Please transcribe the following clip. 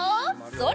それ！